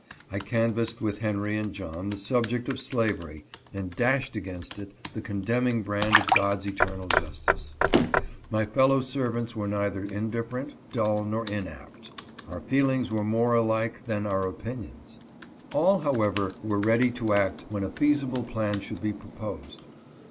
I canvassed with Henry and John the subject of slavery and dashed against it the condemning brand of God's eternal justice. My fellow servants were neither indifferent, dull nor inapt. Our feelings were more alike than our opinions. All, however, were ready to act when a feasible plan should be proposed.